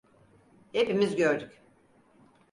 Hepimiz gördük.